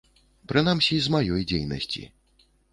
Прынамсі з маёй дзейнасці.